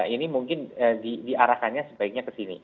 ini mungkin diarahkannya sebaiknya ke sini